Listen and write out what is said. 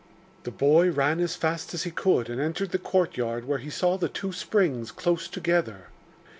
The boy ran as fast as he could and entered the courtyard, where he saw the two spring close together.